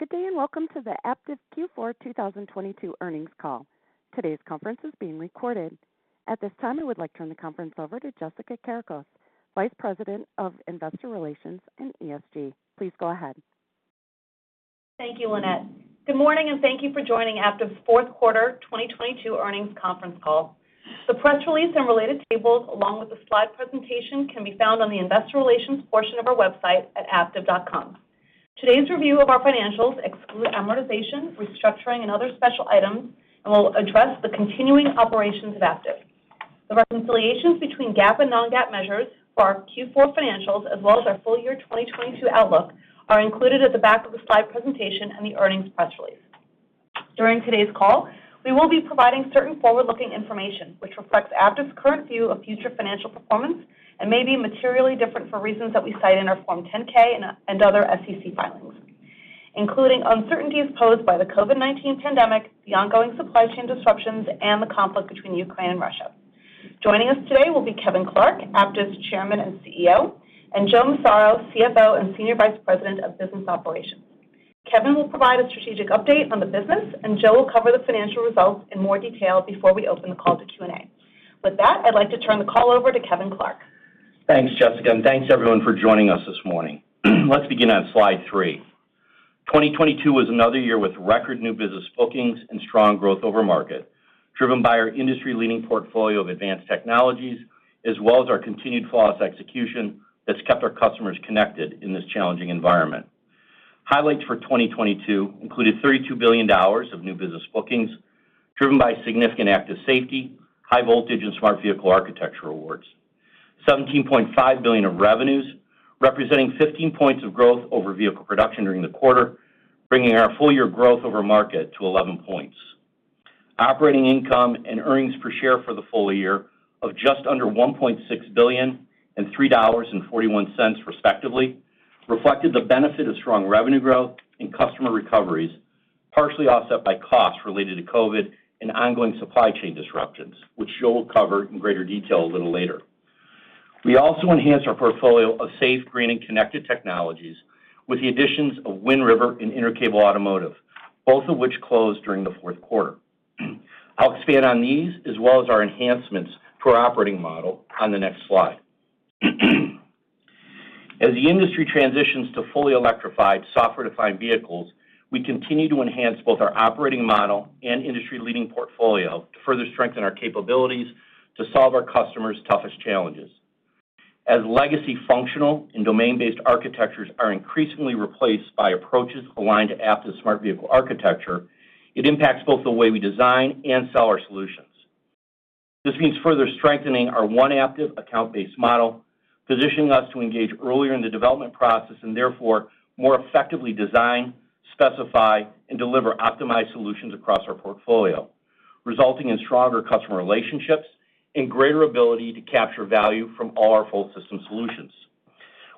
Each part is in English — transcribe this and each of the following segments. Good day, and welcome to the Aptiv Q4 2022 earnings call. Today's conference is being recorded. At this time, I would like to turn the conference over to Jessica Kourakos, Vice President of Investor Relations and ESG. Please go ahead. Thank you, Lynnette. Good morning, and thank you for joining Aptiv's fourth quarter 2022 earnings conference call. The press release and related tables, along with the slide presentation, can be found on the investor relations portion of our website at aptiv.com. Today's review of our financials exclude amortization, restructuring, and other special items and will address the continuing operations of Aptiv. The reconciliations between GAAP and non-GAAP measures for our Q4 financials as well as our full year 2022 outlook are included at the back of the slide presentation and the earnings press release. During today's call, we will be providing certain forward-looking information which reflects Aptiv's current view of future financial performance and may be materially different for reasons that we cite in our Form 10-K and other SEC filings, including uncertainties posed by the COVID-19 pandemic, the ongoing supply chain disruptions, and the conflict between Ukraine and Russia. Joining us today will be Kevin Clark, Aptiv's Chairman and CEO, and Joseph Massaro, CFO and Senior Vice President of Business Operations. Kevin will provide a strategic update on the business, and Joe will cover the financial results in more detail before we open the call to Q&A. With that, I'd like to turn the call over to Kevin Clark. Thanks, Jessica. Thanks everyone for joining us this morning. Let's begin on slide three. 2022 was another year with record new business bookings and strong growth over market, driven by our industry-leading portfolio of advanced technologies as well as our continued flawless execution that's kept our customers connected in this challenging environment. Highlights for 2022 included $32 billion of new business bookings, driven by significant active safety, high voltage and Smart Vehicle Architecture awards. $17.5 billion of revenues, representing 15 points of growth over vehicle production during the quarter, bringing our full year growth over market to 11 points. Operating income and earnings per share for the full year of just under $1.6 billion and $3.41 respectively reflected the benefit of strong revenue growth and customer recoveries, partially offset by costs related to COVID and ongoing supply chain disruptions, which Joe will cover in greater detail a little later. We also enhanced our portfolio of safe, green, and connected technologies with the additions of Wind River and Intercable Automotive, both of which closed during the fourth quarter. I'll expand on these as well as our enhancements to our operating model on the next slide. As the industry transitions to fully electrified software-defined vehicles, we continue to enhance both our operating model and industry leading portfolio to further strengthen our capabilities to solve our customers' toughest challenges. As legacy functional and domain-based architectures are increasingly replaced by approaches aligned to Aptiv's Smart Vehicle Architecture, it impacts both the way we design and sell our solutions. This means further strengthening our One Aptiv account-based model, positioning us to engage earlier in the development process and therefore more effectively design, specify, and deliver optimized solutions across our portfolio, resulting in stronger customer relationships and greater ability to capture value from all our full system solutions.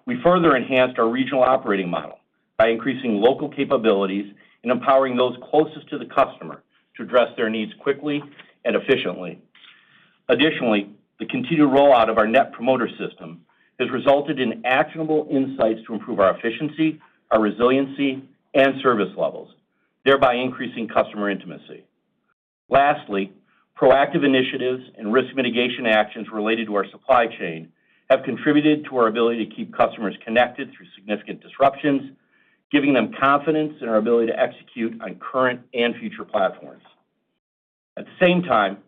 We further enhanced our regional operating model by increasing local capabilities and empowering those closest to the customer to address their needs quickly and efficiently. The continued rollout of our Net Promoter System has resulted in actionable insights to improve our efficiency, our resiliency, and service levels, thereby increasing customer intimacy. Lastly, proactive initiatives and risk mitigation actions related to our supply chain have contributed to our ability to keep customers connected through significant disruptions, giving them confidence in our ability to execute on current and future platforms. At the same time,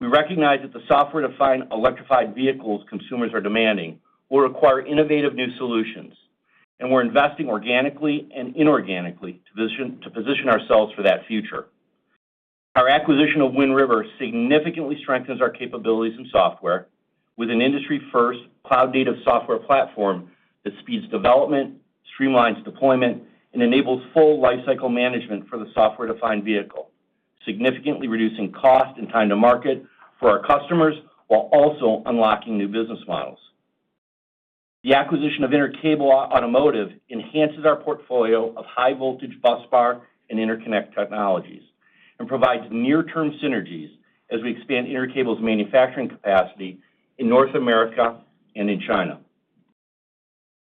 we recognize that the software-defined electrified vehicles consumers are demanding will require innovative new solutions, and we're investing organically and inorganically to position ourselves for that future. Our acquisition of Wind River significantly strengthens our capabilities in software with an industry-first cloud-native software platform that speeds development, streamlines deployment, and enables full lifecycle management for the software-defined vehicle, significantly reducing cost and time to market for our customers while also unlocking new business models. The acquisition of Intercable Automotive enhances our portfolio of high voltage busbar and interconnect technologies and provides near-term synergies as we expand Intercable's manufacturing capacity in North America and in China.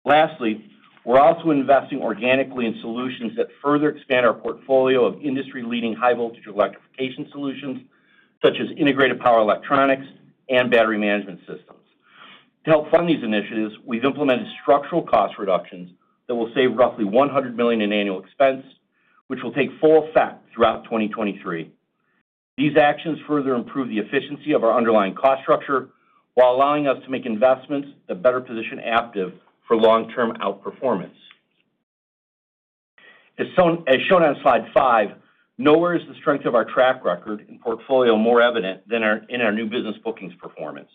Lastly, we're also investing organically in solutions that further expand our portfolio of industry-leading high voltage electrification solutions such as integrated power electronics and battery management systems. To help fund these initiatives, we've implemented structural cost reductions that will save roughly $100 million in annual expense, which will take full effect throughout 2023. These actions further improve the efficiency of our underlying cost structure while allowing us to make investments that better position Aptiv for long-term outperformance. As shown on slide 5, nowhere is the strength of our track record and portfolio more evident than in our new business bookings performance.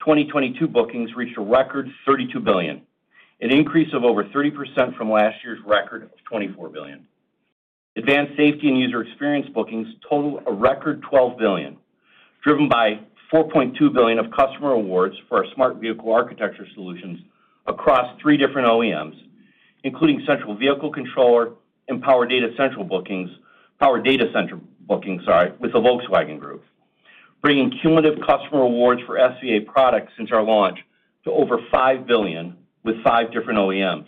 2022 bookings reached a record $32 billion, an increase of over 30% from last year's record of $24 billion. Advanced safety and user experience bookings total a record $12 billion, driven by $4.2 billion of customer awards for our Smart Vehicle Architecture solutions across three different OEMs, including Central Vehicle Controller and Power Data Center booking, sorry, with the Volkswagen Group. Bringing cumulative customer awards for SVA products since our launch to over $5 billion with five different OEMs.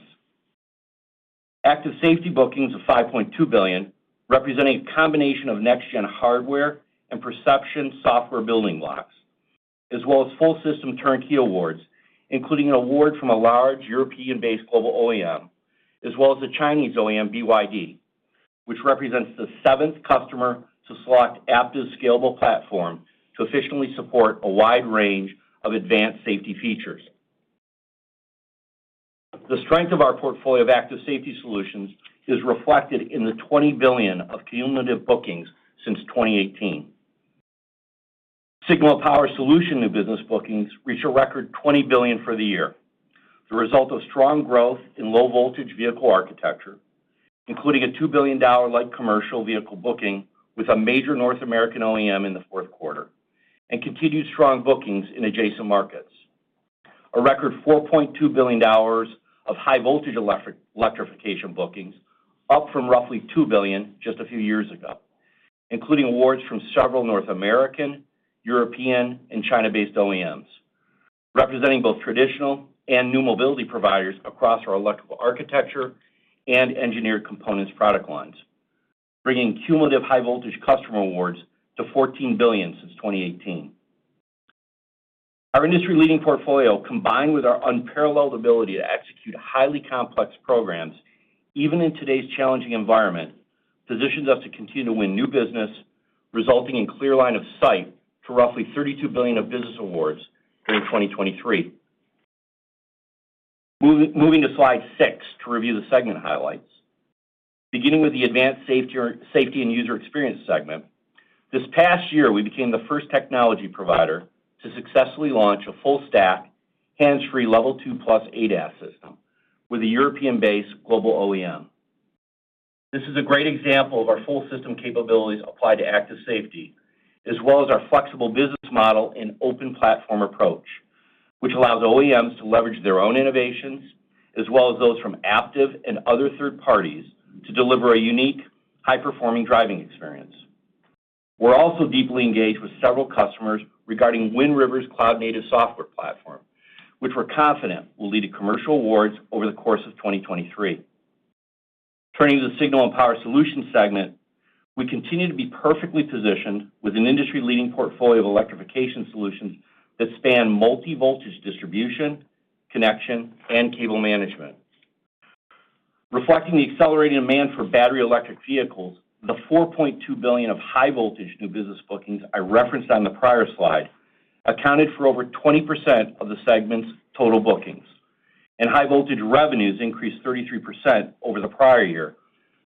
Active safety bookings of $5.2 billion, representing a combination of next-gen hardware and perception software building blocks, as well as full system turnkey awards, including an award from a large European-based global OEM, as well as the Chinese OEM, BYD, which represents the seventh customer to select Aptiv's scalable platform to efficiently support a wide range of advanced safety features. The strength of our portfolio of active safety solutions is reflected in the $20 billion of cumulative bookings since 2018. Signal and power solution new business bookings reached a record $20 billion for the year, the result of strong growth in low voltage vehicle architecture, including a $2 billion light commercial vehicle booking with a major North American OEM in the fourth quarter, and continued strong bookings in adjacent markets. A record $4.2 billion of high voltage electrification bookings, up from roughly $2 billion just a few years ago, including awards from several North American, European, and China-based OEMs, representing both traditional and new mobility providers across our electrical architecture and engineered components product lines, bringing cumulative high voltage customer awards to $14 billion since 2018. Our industry-leading portfolio, combined with our unparalleled ability to execute highly complex programs, even in today's challenging environment, positions us to continue to win new business, resulting in clear line of sight to roughly $32 billion of business awards during 2023. Moving to slide 6 to review the segment highlights. Beginning with the Advanced Safety and User Experience segment, this past year we became the first technology provider to successfully launch a full stack, hands-free Level 2+ ADAS system with a European-based global OEM. This is a great example of our full system capabilities applied to active safety, as well as our flexible business model and open platform approach, which allows OEMs to leverage their own innovations as well as those from Aptiv and other third parties to deliver a unique, high-performing driving experience. We're also deeply engaged with several customers regarding Wind River's cloud-native software platform, which we're confident will lead to commercial awards over the course of 2023. Turning to the signal and power solutions segment, we continue to be perfectly positioned with an industry-leading portfolio of electrification solutions that span multi-voltage distribution, connection, and cable management. Reflecting the accelerating demand for battery electric vehicles, the $4.2 billion of high voltage new business bookings I referenced on the prior slide accounted for over 20% of the segment's total bookings, and high voltage revenues increased 33% over the prior year,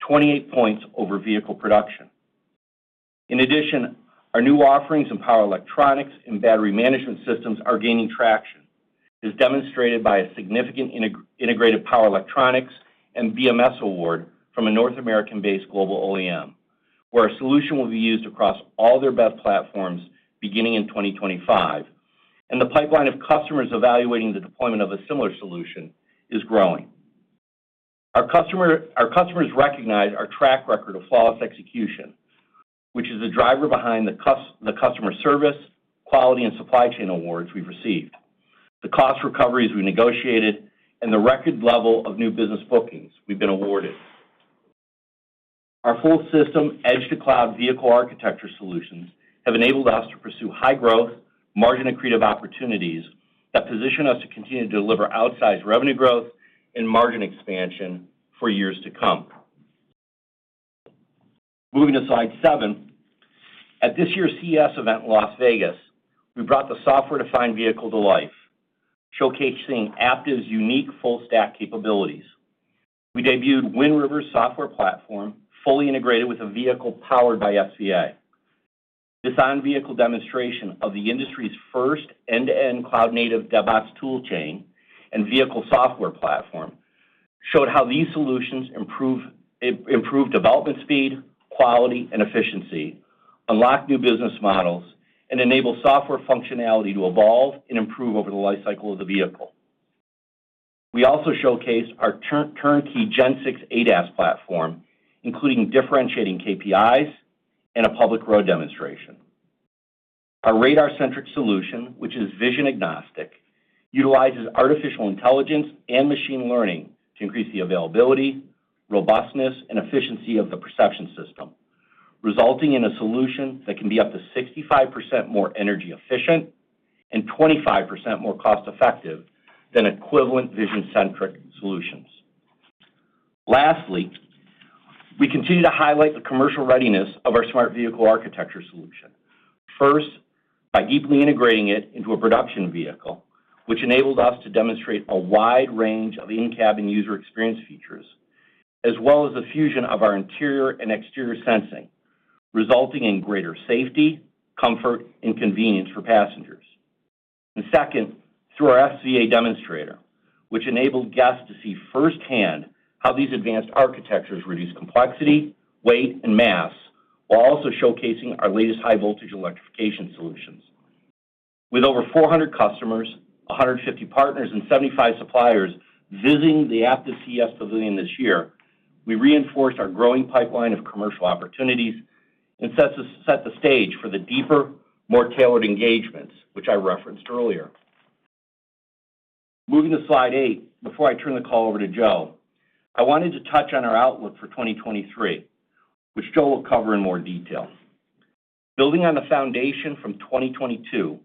28 points over vehicle production. In addition, our new offerings in power electronics and battery management systems are gaining traction, as demonstrated by a significant integrated power electronics and BMS award from a North American-based global OEM, where our solution will be used across all their BEV platforms beginning in 2025. The pipeline of customers evaluating the deployment of a similar solution is growing. Our customers recognize our track record of flawless execution, which is the driver behind the customer service, quality, and supply chain awards we've received, the cost recoveries we negotiated, and the record level of new business bookings we've been awarded. Our full system edge to cloud vehicle architecture solutions have enabled us to pursue high growth, margin-accretive opportunities that position us to continue to deliver outsized revenue growth and margin expansion for years to come. Moving to slide 7. At this year's CES event in Las Vegas, we brought the software-defined vehicle to life, showcasing Aptiv's unique full stack capabilities. We debuted Wind River's software platform, fully integrated with a vehicle powered by SVA. This on-vehicle demonstration of the industry's first end-to-end cloud-native DevOps tool chain and vehicle software platform showed how these solutions improve development speed, quality, and efficiency, unlock new business models, and enable software functionality to evolve and improve over the lifecycle of the vehicle. We also showcased our turnkey Gen 6 ADAS platform, including differentiating KPIs and a public road demonstration. Our radar-centric solution, which is vision agnostic, utilizes artificial intelligence and machine learning to increase the availability, robustness, and efficiency of the perception system, resulting in a solution that can be up to 65% more energy efficient and 25% more cost-effective than equivalent vision-centric solutions. Lastly, we continue to highlight the commercial readiness of our Smart Vehicle Architecture solution. First, by deeply integrating it into a production vehicle, which enabled us to demonstrate a wide range of in-cabin user experience features, as well as the fusion of our interior and exterior sensing, resulting in greater safety, comfort, and convenience for passengers. Second, through our SVA demonstrator, which enabled guests to see firsthand how these advanced architectures reduce complexity, weight, and mass, while also showcasing our latest high voltage electrification solutions. With over 400 customers, 150 partners, and 75 suppliers visiting the Aptiv CES Pavilion this year, we reinforced our growing pipeline of commercial opportunities and set the stage for the deeper, more tailored engagements, which I referenced earlier. Moving to slide 8, before I turn the call over to Joe, I wanted to touch on our outlook for 2023, which Joe will cover in more detail. Building on the foundation from 2022,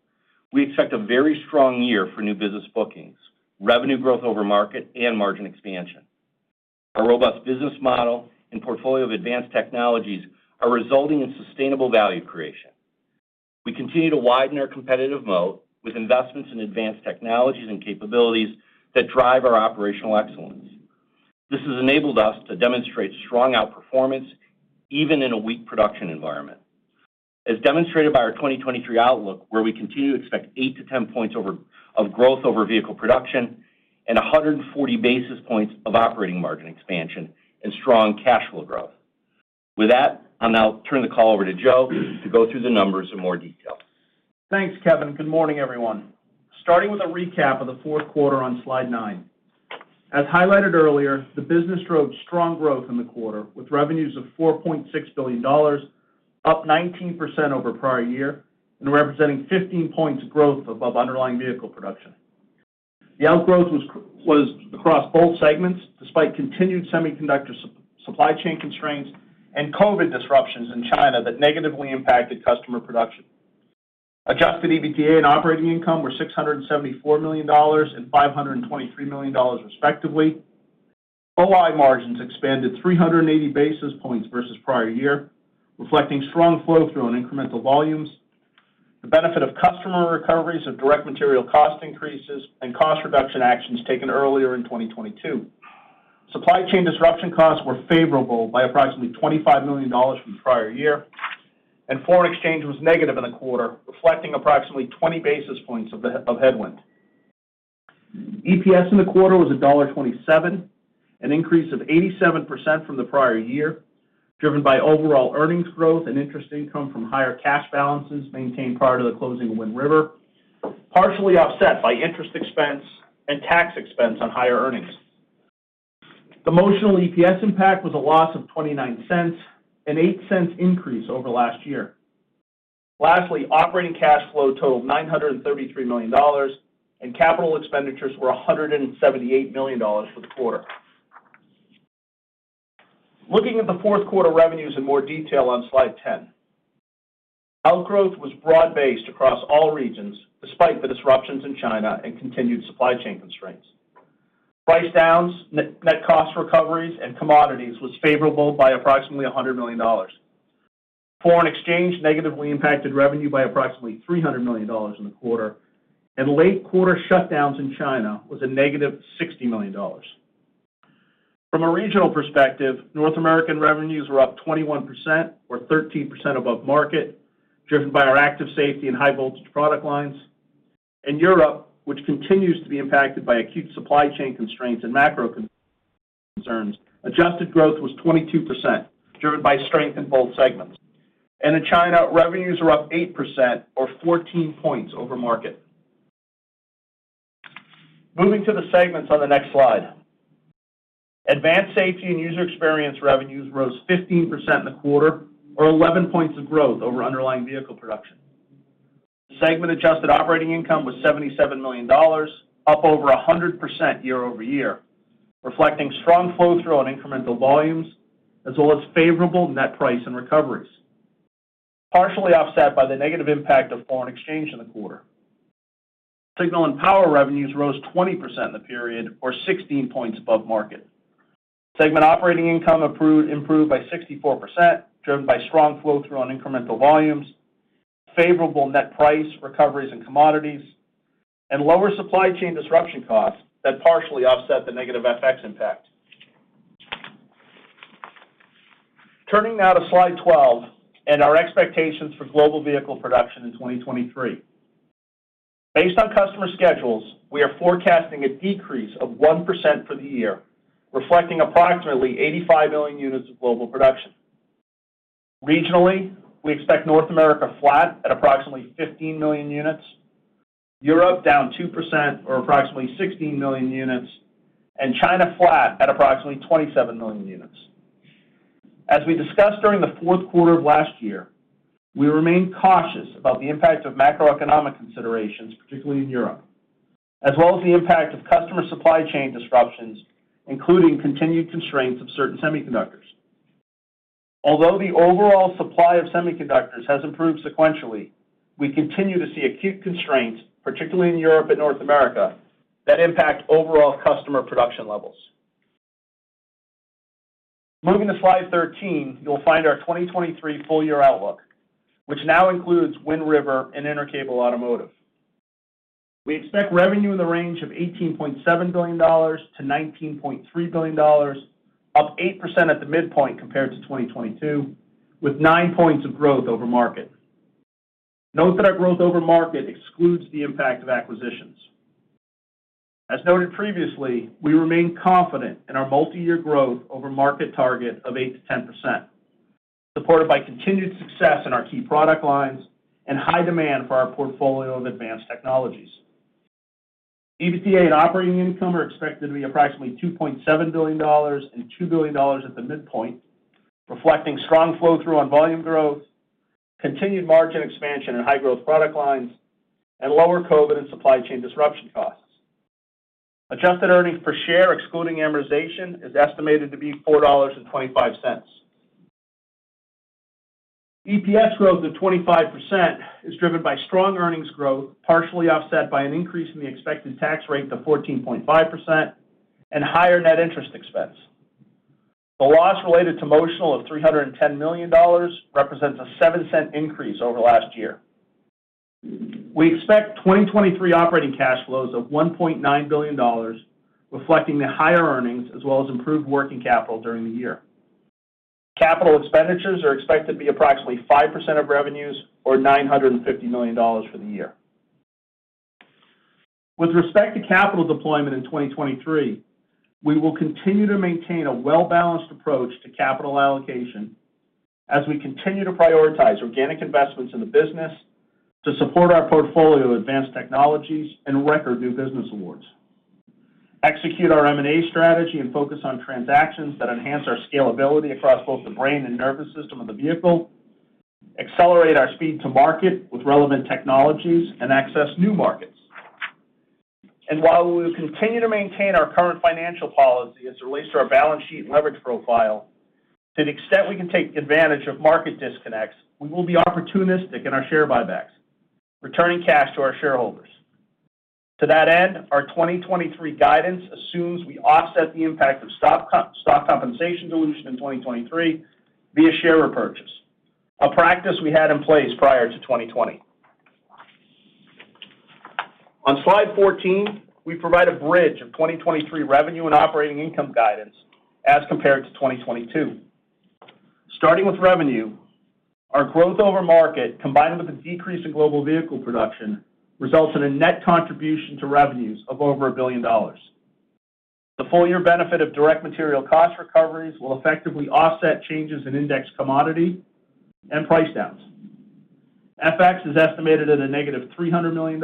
we expect a very strong year for new business bookings, revenue growth over market, and margin expansion. Our robust business model and portfolio of advanced technologies are resulting in sustainable value creation. We continue to widen our competitive moat with investments in advanced technologies and capabilities that drive our operational excellence. This has enabled us to demonstrate strong outperformance even in a weak production environment. As demonstrated by our 2023 outlook, where we continue to expect 8 to 10 points of growth over vehicle production and 140 basis points of operating margin expansion and strong cash flow growth. With that, I'll now turn the call over to Joe to go through the numbers in more detail. Thanks, Kevin. Good morning, everyone. Starting with a recap of the fourth quarter on slide 9. As highlighted earlier, the business drove strong growth in the quarter, with revenues of $4.6 billion, up 19% over prior year and representing 15 points of growth above underlying vehicle production. The outgrowth was across both segments, despite continued semiconductor supply chain constraints and COVID disruptions in China that negatively impacted customer production. Adjusted EBITDA and operating income were $674 million and $523 million, respectively. OI margins expanded 380 basis points versus prior year, reflecting strong flow-through on incremental volumes, the benefit of customer recoveries of direct material cost increases, and cost reduction actions taken earlier in 2022. Supply chain disruption costs were favorable by approximately $25 million from the prior year. Foreign exchange was negative in the quarter, reflecting approximately 20 basis points of headwind. EPS in the quarter was $1.27, an increase of 87% from the prior year, driven by overall earnings growth and interest income from higher cash balances maintained prior to the closing of Wind River, partially offset by interest expense and tax expense on higher earnings. The Motional EPS impact was a loss of $0.29, an $0.08 increase over last year. Lastly, operating cash flow totaled $933 million. Capital expenditures were $178 million for the quarter. Looking at the fourth quarter revenues in more detail on slide 10. Outgrowth was broad-based across all regions, despite the disruptions in China and continued supply chain constraints. Price downs, net cost recoveries, and commodities was favorable by approximately $100 million. Foreign exchange negatively impacted revenue by approximately $300 million in the quarter. Late quarter shutdowns in China was a negative $60 million. From a regional perspective, North American revenues were up 21% or 13% above market, driven by our Active Safety and high-voltage product lines. In Europe, which continues to be impacted by acute supply chain constraints and macro concerns, adjusted growth was 22%, driven by strength in both segments. In China, revenues are up 8% or 14 points over market. Moving to the segments on the next slide. Advanced Safety and User Experience revenues rose 15% in the quarter or 11 points of growth over underlying vehicle production. Segment adjusted operating income was $77 million, up over 100% year-over-year, reflecting strong flow-through on incremental volumes as well as favorable net price and recoveries, partially offset by the negative impact of foreign exchange in the quarter. Signal and power revenues rose 20% in the period or 16 points above market. Segment operating income improved by 64%, driven by strong flow-through on incremental volumes, favorable net price recoveries and commodities, and lower supply chain disruption costs that partially offset the negative FX impact. Turning now to slide 12 and our expectations for global vehicle production in 2023. Based on customer schedules, we are forecasting a decrease of 1% for the year, reflecting approximately 85 million units of global production. Regionally, we expect North America flat at approximately 15 million units, Europe down 2% or approximately 16 million units, and China flat at approximately 27 million units. As we discussed during the fourth quarter of last year, we remain cautious about the impact of macroeconomic considerations, particularly in Europe, as well as the impact of customer supply chain disruptions, including continued constraints of certain semiconductors. Although the overall supply of semiconductors has improved sequentially, we continue to see acute constraints, particularly in Europe and North America, that impact overall customer production levels. Moving to slide 13, you'll find our 2023 full year outlook, which now includes Wind River and Intercable Automotive. We expect revenue in the range of $18.7 billion-$19.3 billion, up 8% at the midpoint compared to 2022, with 9 points of growth over market. Note that our growth over market excludes the impact of acquisitions. As noted previously, we remain confident in our multi-year growth over market target of 8%-10%, supported by continued success in our key product lines and high demand for our portfolio of advanced technologies. EBITDA and operating income are expected to be approximately $2.7 billion and $2 billion at the midpoint, reflecting strong flow-through on volume growth, continued margin expansion in high growth product lines, and lower COVID and supply chain disruption costs. Adjusted earnings per share, excluding amortization, is estimated to be $4.25. EPS growth of 25% is driven by strong earnings growth, partially offset by an increase in the expected tax rate to 14.5% and higher net interest expense. The loss related to Motional of $310 million represents a $0.07 increase over last year. We expect 2023 operating cash flows of $1.9 billion, reflecting the higher earnings as well as improved working capital during the year. Capital expenditures are expected to be approximately 5% of revenues or $950 million for the year. With respect to capital deployment in 2023, we will continue to maintain a well-balanced approach to capital allocation as we continue to prioritize organic investments in the business to support our portfolio of advanced technologies and record new business awards, execute our M&A strategy and focus on transactions that enhance our scalability across both the brain and nervous system of the vehicle, accelerate our speed to market with relevant technologies and access new markets. While we will continue to maintain our current financial policy as it relates to our balance sheet leverage profile, to the extent we can take advantage of market disconnects, we will be opportunistic in our share buybacks, returning cash to our shareholders. To that end, our 2023 guidance assumes we offset the impact of stock compensation dilution in 2023 via share repurchase, a practice we had in place prior to 2020. On slide 14, we provide a bridge of 2023 revenue and operating income guidance as compared to 2022. Starting with revenue, our growth over market, combined with a decrease in global vehicle production, results in a net contribution to revenues of over $1 billion. The full year benefit of direct material cost recoveries will effectively offset changes in index commodity and price downs. FX is estimated at a negative $300 million.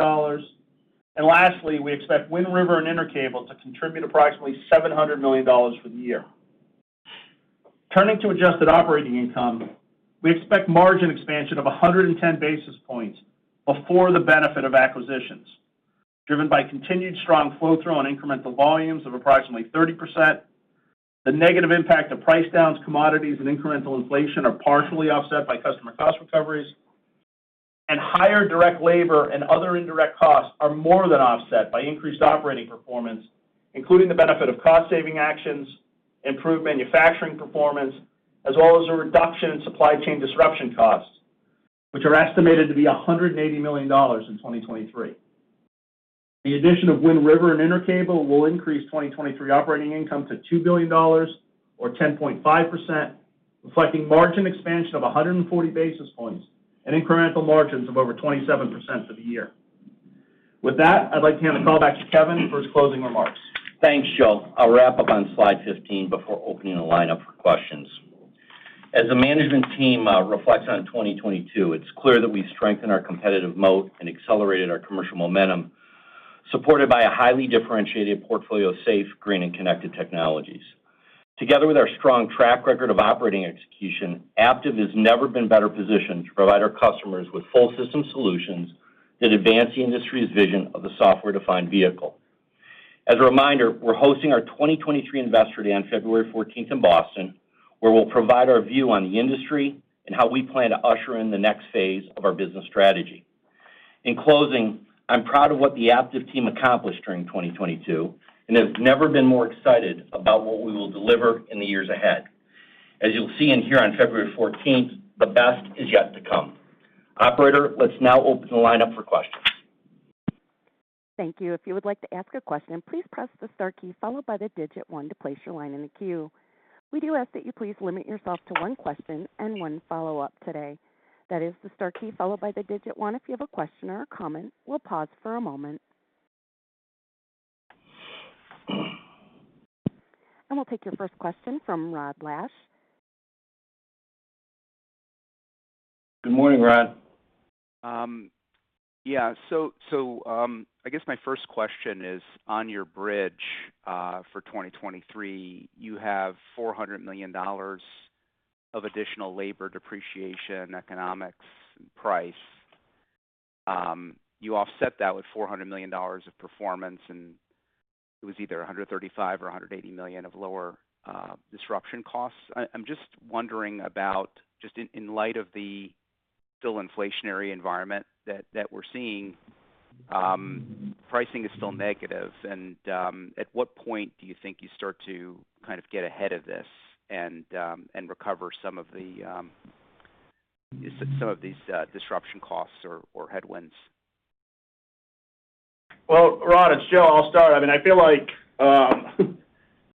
Lastly, we expect Wind River and Intercable to contribute approximately $700 million for the year. Turning to adjusted operating income, we expect margin expansion of 110 basis points before the benefit of acquisitions, driven by continued strong flow-through on incremental volumes of approximately 30%. The negative impact of price downs, commodities, and incremental inflation are partially offset by customer cost recoveries. Higher direct labor and other indirect costs are more than offset by increased operating performance, including the benefit of cost saving actions, improved manufacturing performance, as well as a reduction in supply chain disruption costs, which are estimated to be $180 million in 2023. The addition of Wind River and Intercable will increase 2023 operating income to $2 billion or 10.5%, reflecting margin expansion of 140 basis points and incremental margins of over 27% for the year. With that, I'd like to hand the call back to Kevin for his closing remarks. Thanks, Joe. I'll wrap up on slide 15 before opening the lineup for questions. As the management team reflects on 2022, it's clear that we've strengthened our competitive moat and accelerated our commercial momentum, supported by a highly differentiated portfolio of safe, green, and connected technologies. Together with our strong track record of operating execution, Aptiv has never been better positioned to provide our customers with full system solutions that advance the industry's vision of the software-defined vehicle. As a reminder, we're hosting our 2023 Investor Day on February 14th in Boston, where we'll provide our view on the industry and how we plan to usher in the next phase of our business strategy. In closing, I'm proud of what the Aptiv team accomplished during 2022 and have never been more excited about what we will deliver in the years ahead. As you'll see and hear on February 14th, the best is yet to come. Operator, let's now open the lineup for questions. Thank you. If you would like to ask a question, please press the star key followed by the digit one to place your line in the queue. We do ask that you please limit yourself to one question and one follow-up today. That is the star key followed by the digit one if you have a question or a comment. We'll pause for a moment. We'll take your first question from Rod Lache. Good morning, Rod. I guess my first question is on your bridge for 2023, you have $400 million of additional labor depreciation, economics, and price. You offset that with $400 million of performance, and it was either $135 million or $180 million of lower disruption costs. I'm just wondering in light of the still inflationary environment that we're seeing, pricing is still negative. At what point do you think you start to kind of get ahead of this and recover some of these disruption costs or headwinds? Rod, it's Joe. I'll start. I mean, I feel like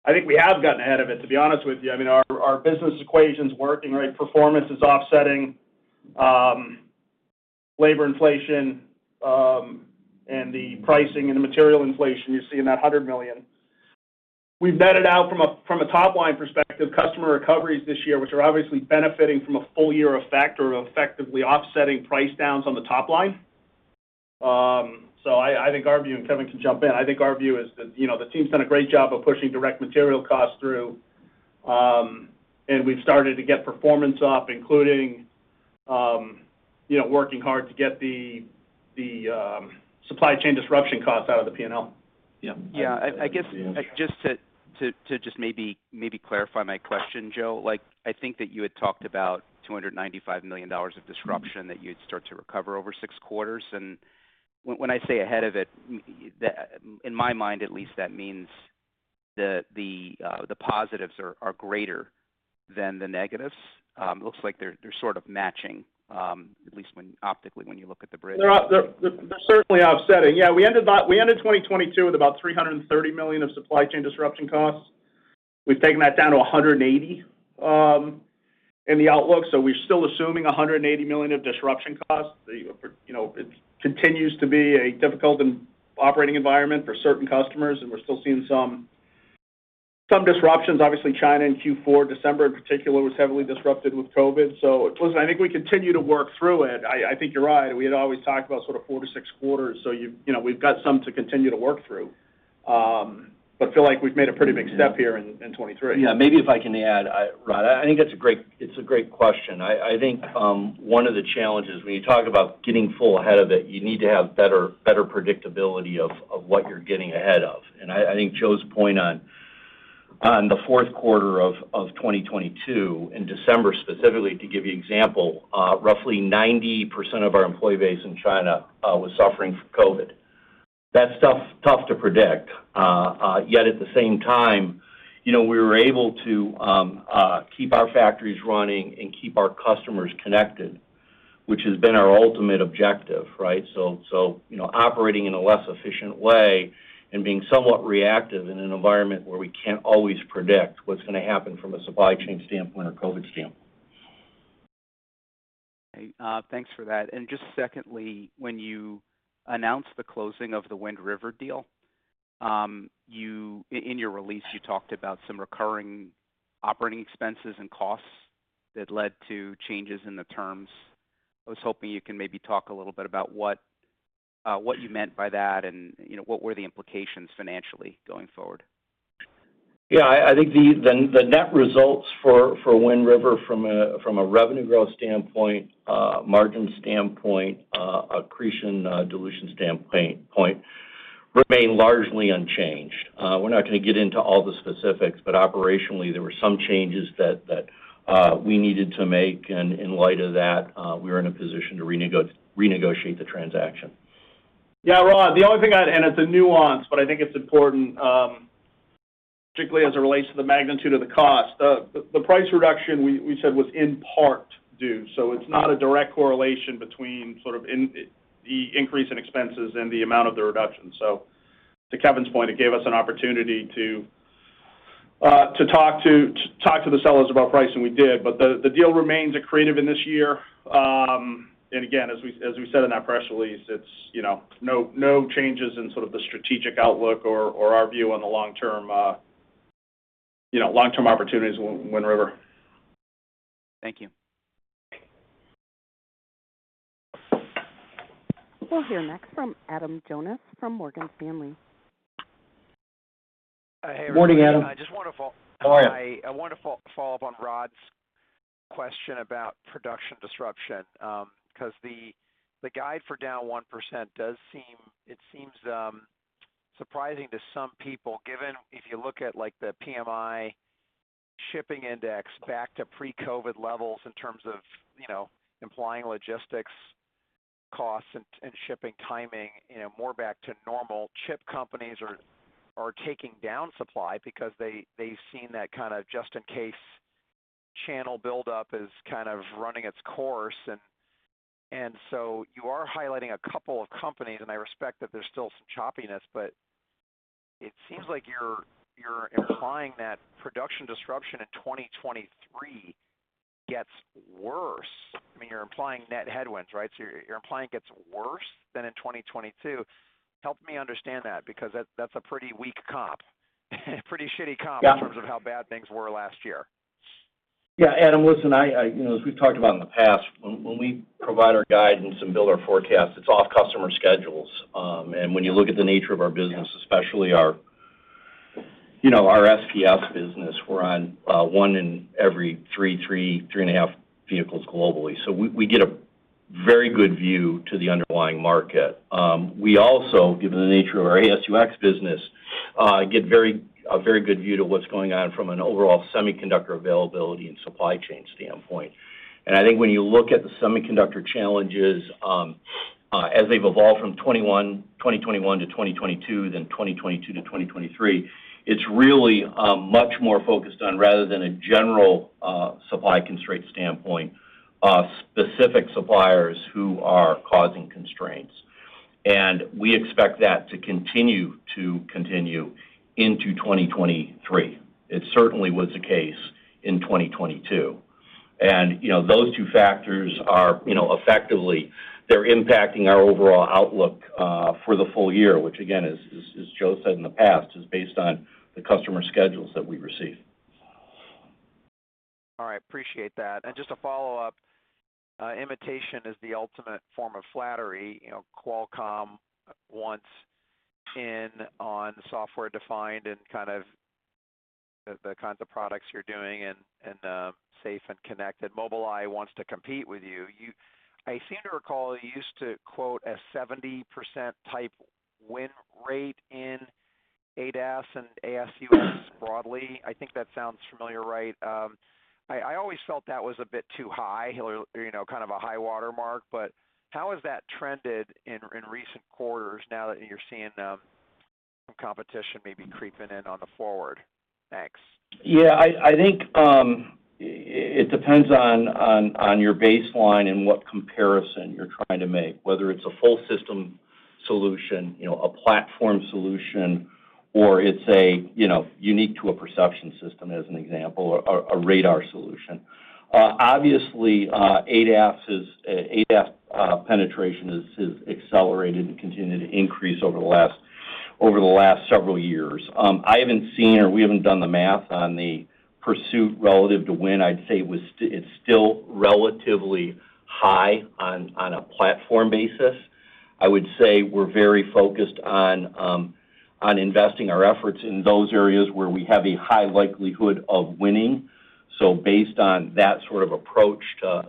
I think we have gotten ahead of it, to be honest with you. Our business equation's working, right? Performance is offsetting labor inflation, and the pricing and the material inflation you see in that $100 million. We've vetted out from a top-line perspective, customer recoveries this year, which are obviously benefiting from a full year effect or effectively offsetting price downs on the top line. I think our view, and Kevin can jump in. I think our view is that, you know, the team's done a great job of pushing direct material costs through, and we've started to get performance up, including, you know, working hard to get the supply chain disruption costs out of the P&L. Yeah. Yeah. I guess just to just maybe clarify my question, Joe. Like, I think that you had talked about $295 million of disruption that you'd start to recover over six quarters. When I say ahead of it, that in my mind at least, that means the positives are greater than the negatives. Looks like they're sort of matching, at least when optically when you look at the bridge. They're certainly offsetting. Yeah, we ended 2022 with about $330 million of supply chain disruption costs. We've taken that down to $180 million in the outlook. We're still assuming $180 million of disruption costs. You know, it continues to be a difficult operating environment for certain customers, and we're still seeing some disruptions. Obviously, China in Q4, December in particular, was heavily disrupted with COVID. Listen, I think we continue to work through it. I think you're right. We had always talked about sort of four to six quarters. You know, we've got some to continue to work through. Feel like we've made a pretty big step here in 2023. Yeah. Maybe if I can add, Rod. I think it's a great question. I think one of the challenges when you talk about getting full ahead of it, you need to have better predictability of what you're getting ahead of. I think Joe's point on the fourth quarter of 2022, in December specifically, to give you example, roughly 90% of our employee base in China was suffering from COVID. That's tough to predict. Yet at the same time, you know, we were able to keep our factories running and keep our customers connected, which has been our ultimate objective, right? You know, operating in a less efficient way and being somewhat reactive in an environment where we can't always predict what's gonna happen from a supply chain standpoint or COVID standpoint. Okay. Thanks for that. Just secondly, when you announced the closing of the Wind River deal, in your release, you talked about some recurring operating expenses and costs that led to changes in the terms. I was hoping you can maybe talk a little bit about what you meant by that and, you know, what were the implications financially going forward. Yeah. I think the net results for Wind River from a revenue growth standpoint, margin standpoint, accretion, dilution standpoint remain largely unchanged. We're not gonna get into all the specifics, but operationally, there were some changes that we needed to make. In light of that, we are in a position to renegotiate the transaction. Yeah, Rod, the only thing I'd add, and it's a nuance, but I think it's important, particularly as it relates to the magnitude of the cost. The, the price reduction we said was in part due. It's not a direct correlation between sort of the increase in expenses and the amount of the reduction. To Kevin's point, it gave us an opportunity to talk to the sellers about pricing. We did. The deal remains accretive in this year. Again, as we, as we said in our press release, it's, you know, no changes in sort of the strategic outlook or our view on the long-term, you know, long-term opportunities with Wind River. Thank you. Okay. We'll hear next from Adam Jonas from Morgan Stanley. Morning, Adam. Hey, everyone. I just want to fo-. How are you? I want to follow up on Rod's question about production disruption. 'Cause the guide for down 1% does seem, it seems surprising to some people given if you look at like the PMI shipping index back to pre-COVID levels in terms of, you know, implying logistics costs and shipping timing, you know, more back to normal. Chip companies are taking down supply because they've seen that kind of just in case channel buildup is kind of running its course. So you are highlighting a couple of companies, and I respect that there's still some choppiness, but it seems like you're implying that production disruption in 2023 gets worse. I mean, you're implying net headwinds, right? You're implying it gets worse than in 2022. Help me understand that because that's a pretty weak comp. Pretty comp- Yeah. in terms of how bad things were last year. Yeah. Adam, listen, I you know, as we've talked about in the past, when we provide our guidance and build our forecast, it's off customer schedules. When you look at the nature of our business. Yeah. -especially our, you know, our S&PS business, we're on one in every three and a half vehicles globally. We get a very good view to the underlying market. We also, given the nature of our AS&UX business, get a very good view to what's going on from an overall semiconductor availability and supply chain standpoint. I think when you look at the semiconductor challenges, as they've evolved from 2021 to 2022, then 2022-2023, it's really much more focused on rather than a general supply constraint standpoint, specific suppliers who are causing constraints. We expect that to continue into 2023. It certainly was the case in 2022. You know, those two factors are, you know, effectively, they're impacting our overall outlook for the full year, which again, as Joe said in the past, is based on the customer schedules that we receive. All right. Appreciate that. Just a follow-up. Imitation is the ultimate form of flattery. You know, Qualcomm wants in on software-defined and kind of the kinds of products you're doing and safe and connected. Mobileye wants to compete with you. I seem to recall you used to quote a 70% type win rate in ADAS and AS&UX broadly. I think that sounds familiar, right? I always felt that was a bit too high or you know, kind of a high watermark. How has that trended in recent quarters now that you're seeing some competition maybe creeping in on the forward? Thanks. I think it depends on your baseline and what comparison you're trying to make, whether it's a full system solution, you know, a platform solution or it's a, you know, unique to a perception system, as an example, or a radar solution. Obviously, ADAS penetration has accelerated and continued to increase over the last several years. I haven't seen or we haven't done the math on the pursuit relative to win. I'd say it's still relatively high on a platform basis. I would say we're very focused on investing our efforts in those areas where we have a high likelihood of winning. Based on that sort of approach to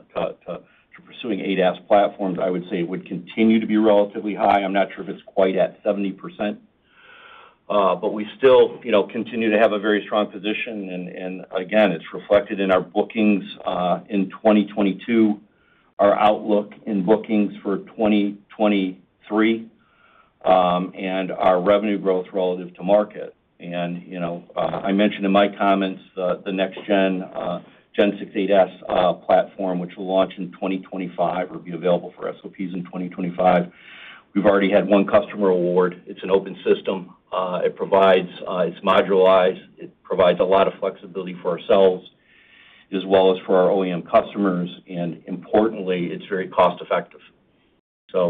pursuing ADAS platforms, I would say it would continue to be relatively high. I'm not sure if it's quite at 70%. But we still, you know, continue to have a very strong position and, again, it's reflected in our bookings in 2022, our outlook in bookings for 2023, and our revenue growth relative to market. I mentioned in my comments the next gen, Gen 6 ADAS platform, which will launch in 2025 or be available for SOPs in 2025. We've already had one customer award. It's an open system. It provides, it's modularized. It provides a lot of flexibility for ourselves as well as for our OEM customers, and importantly, it's very cost-effective.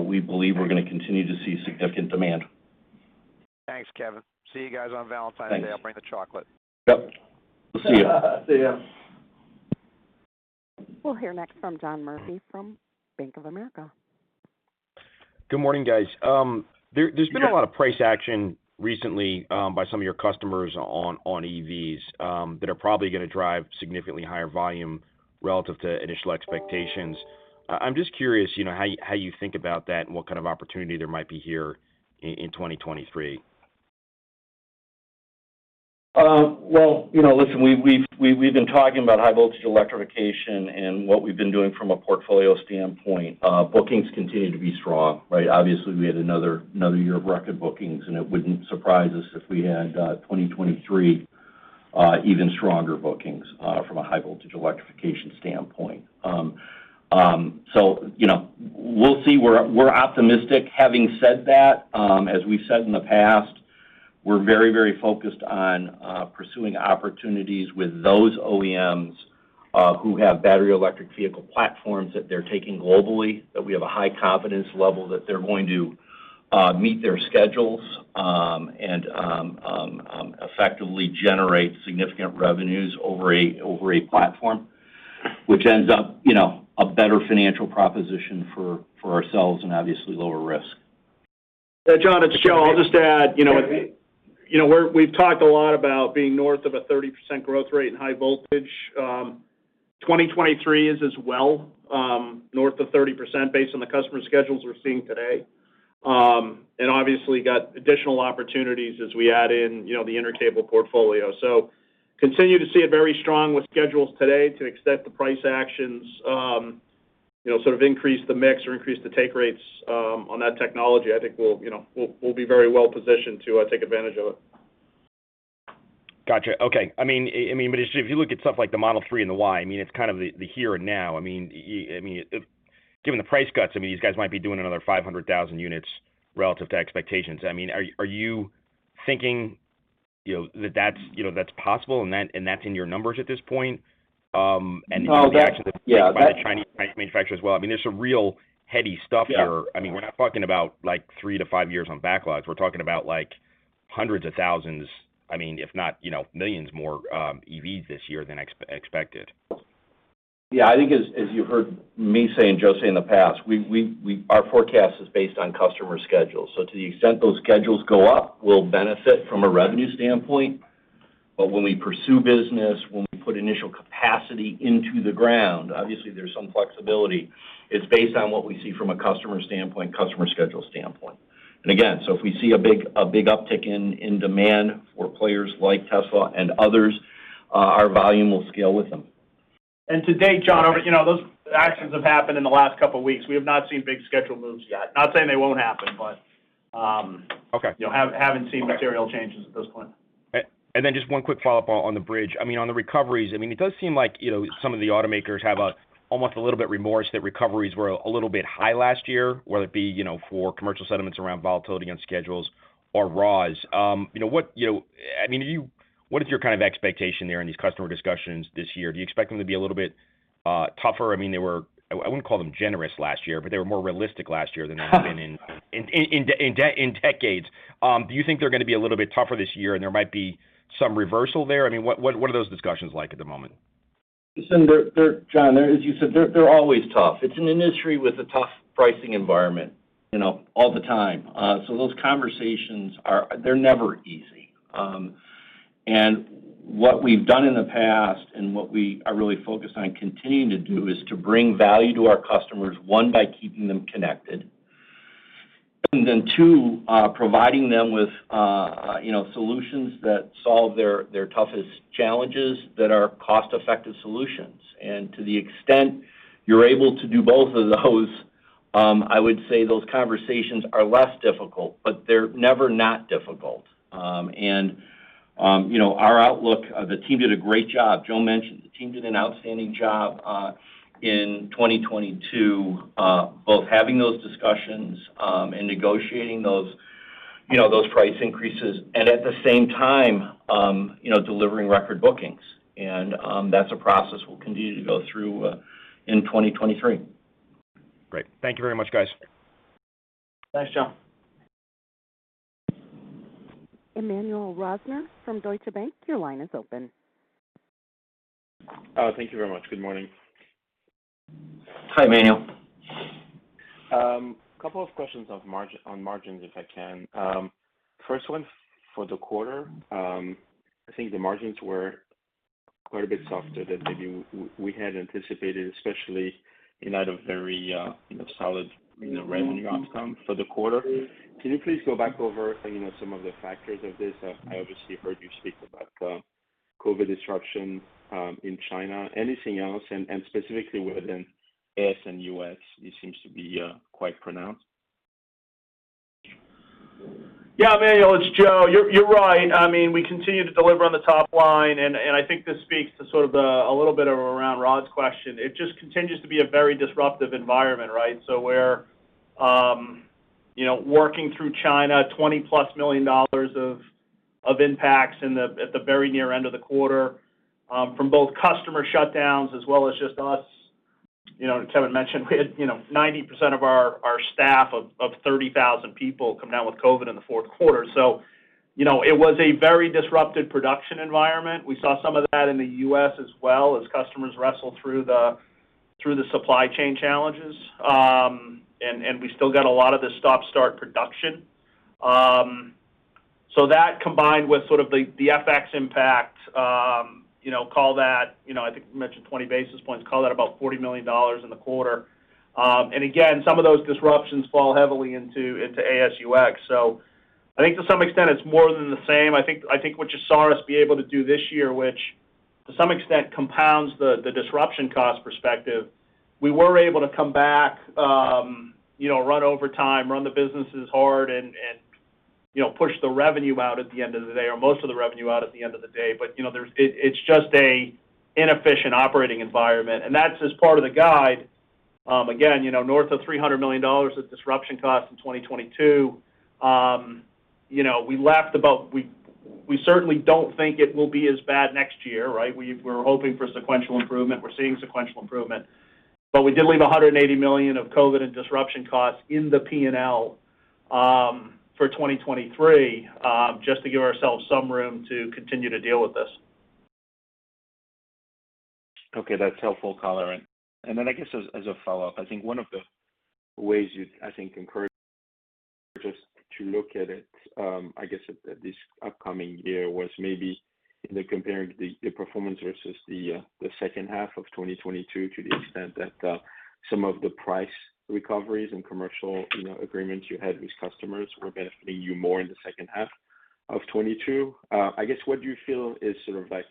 We believe we're gonna continue to see significant demand. Thanks, Kevin. See you guys on Valentine's Day. Thanks. I'll bring the chocolate. Yep. We'll see you. See ya. We'll hear next from John Murphy from Bank of America. Good morning, guys. There's been a lot of price action recently, by some of your customers on EVs, that are probably gonna drive significantly higher volume relative to initial expectations. I'm just curious, you know, how you think about that and what kind of opportunity there might be here in 2023. Well, you know, listen, we've been talking about high voltage electrification and what we've been doing from a portfolio standpoint. Bookings continue to be strong, right? Obviously, we had another year of record bookings, and it wouldn't surprise us if we had 2023 even stronger bookings from a high voltage electrification standpoint. You know, we'll see. We're optimistic. Having said that, as we've said in the past, we're very, very focused on pursuing opportunities with those OEMs who have battery electric vehicle platforms that they're taking globally, that we have a high confidence level that they're going to meet their schedules, and effectively generate significant revenues over a platform, which ends up, you know, a better financial proposition for ourselves and obviously lower risk. Yeah, John, it's Joe. I'll just add, you know, we've talked a lot about being north of a 30% growth rate in high voltage. 2023 is as well, north of 30% based on the customer schedules we're seeing today. Obviously got additional opportunities as we add in, you know, the Intercable portfolio. Continue to see it very strong with schedules today to accept the price actions, you know, sort of increase the mix or increase the take rates on that technology. I think we'll, you know, we'll be very well positioned to take advantage of it. Gotcha. Okay. I mean, if you look at stuff like the Model 3 and the Y, I mean, it's kind of the here and now. I mean, given the price cuts, I mean, these guys might be doing another 500,000 units relative to expectations. I mean, are you thinking, you know, that's, you know, that's possible and that's in your numbers at this point? No. By the Chinese manufacturers as well. I mean, there's some real heady stuff here. Yeah. I mean, we're not talking about, like, 3-5 years on backlogs. We're talking about, like, hundreds of thousands, I mean, if not, you know, millions more, EVs this year than expected. I think as you heard me say and Joe say in the past, we our forecast is based on customer schedules. To the extent those schedules go up, we'll benefit from a revenue standpoint. When we pursue business, when we put initial capacity into the ground, obviously there's some flexibility. It's based on what we see from a customer standpoint, customer schedule standpoint. Again, if we see a big uptick in demand for players like Tesla and others, our volume will scale with them. To date, John, you know, those actions have happened in the last couple weeks. We have not seen big schedule moves yet. Not saying they won't happen, but you haven't seen material changes at this point. Okay. Just one quick follow-up on the bridge. I mean, on the recoveries, I mean, it does seem like, you know, some of the automakers have almost a little bit remorse that recoveries were a little bit high last year, whether it be, you know, for commercial settlements around volatility and schedules or raws. What is your kind of expectation there in these customer discussions this year? Do you expect them to be a little bit tougher? I mean, they were. I wouldn't call them generous last year, but they were more realistic last year than they have been in decades. Do you think they're gonna be a little bit tougher this year, and there might be some reversal there? I mean, what are those discussions like at the moment? Listen, they're John, as you said, they're always tough. It's an industry with a tough pricing environment, you know, all the time. Those conversations are they're never easy. What we've done in the past and what we are really focused on continuing to do is to bring value to our customers, one, by keeping them connected. Two, providing them with, you know, solutions that solve their toughest challenges that are cost-effective solutions. To the extent you're able to do both of those, I would say those conversations are less difficult, but they're never not difficult. You know, our outlook, the team did a great job. Joe mentioned the team did an outstanding job, in 2022, both having those discussions, and negotiating those, you know, those price increases, and at the same time, you know, delivering record bookings. That's a process we'll continue to go through, in 2023. Great. Thank you very much, guys. Thanks, John. Emmanuel Rosner from Deutsche Bank, your line is open. Oh, thank you very much. Good morning. Hi, Emmanuel. Couple of questions on margins, if I can. First one for the quarter. I think the margins were quite a bit softer than maybe we had anticipated, especially in light of very, you know, solid revenue outcome for the quarter. Can you please go back over, you know, some of the factors of this? I obviously heard you speak about the COVID disruption in China. Anything else? Specifically within AS&UX, it seems to be quite pronounced. Yeah, Emmanuel, it's Joe. You're right. I mean, we continue to deliver on the top line, and I think this speaks to sort of a little bit of around Rod's question. It just continues to be a very disruptive environment, right? We're, you know, working through China, $20+ million of impacts at the very near end of the quarter, from both customer shutdowns as well as just us. You know, Kevin mentioned we had, you know, 90% of our staff of 30,000 people come down with COVID in the fourth quarter. You know, it was a very disrupted production environment. We saw some of that in the US as well as customers wrestled through the supply chain challenges. We still got a lot of the stop-start production. That combined with sort of the FX impact, you know, call that, you know, I think we mentioned 20 basis points, call that about $40 million in the quarter. Again, some of those disruptions fall heavily into AS&UX. I think to some extent it's more than the same. I think what you saw us be able to do this year, which to some extent compounds the disruption cost perspective, we were able to come back, you know, run over time, run the businesses hard and, you know, push the revenue out at the end of the day or most of the revenue out at the end of the day. You know, it's just an inefficient operating environment, and that's just part of the guide. Again, you know, north of $300 million of disruption costs in 2022. You know, We certainly don't think it will be as bad next year, right? We're hoping for sequential improvement. We're seeing sequential improvement. We did leave $180 million of COVID and disruption costs in the P&L for 2023, just to give ourselves some room to continue to deal with this. Okay. That's helpful color. Then I guess as a follow-up, I think one of the ways you, I think, encouraged us to look at it, I guess at this upcoming year was maybe in the comparing the performance versus the second half of 2022 to the extent that, some of the price recoveries and commercial, you know, agreements you had with customers were benefiting you more in the second half of '22. I guess, what do you feel is sort of like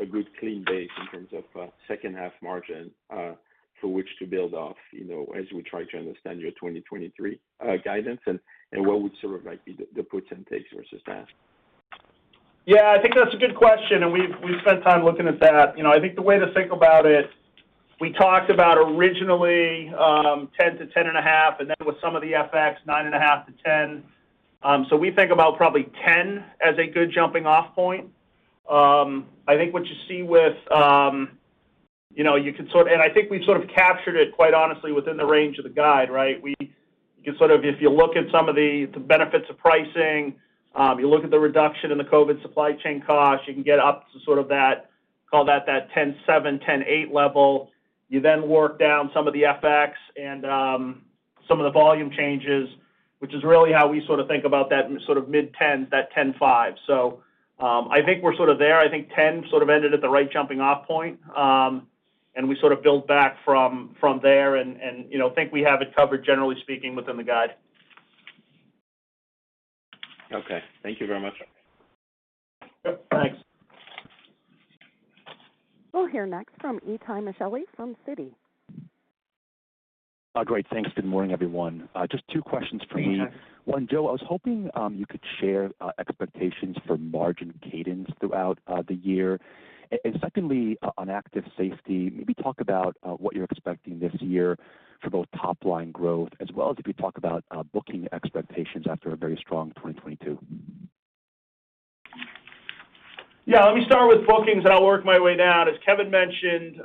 a good clean base in terms of, second half margin, for which to build off, you know, as we try to understand your 2023 guidance and what would sort of like be the puts and takes versus that? Yeah, I think that's a good question, and we've spent time looking at that. You know, I think the way to think about it, we talked about originally $10-$10.5, and then with some of the FX, $9.5-$10. We think about probably $10 as a good jumping off point. I think what you see with, you know, we've sort of captured it quite honestly within the range of the guide, right? You can sort of if you look at some of the benefits of pricing, you look at the reduction in the COVID supply chain costs, you can get up to sort of that, call that $10.7-$10.8 level. You work down some of the FX and some of the volume changes, which is really how we sort of think about that sort of mid-10, that 10-5. I think we're sort of there. I think 10 sort of ended at the right jumping off point. We sort of build back from there and, you know, think we have it covered generally speaking within the guide. Okay. Thank you very much. Yep. Thanks. We'll hear next from Itay Michaeli from Citi. Great. Thanks. Good morning, everyone. Just two questions for me. Okay. One, Joe, I was hoping, you could share expectations for margin cadence throughout the year. Secondly, on Active Safety, maybe talk about what you're expecting this year for both top line growth, as well as if you could talk about booking expectations after a very strong 2022. Yeah. Let me start with bookings, and I'll work my way down. As Kevin mentioned,